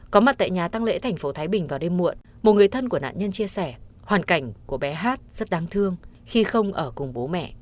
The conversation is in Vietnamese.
của bé hát rất đáng thương khi không ở cùng bố mẹ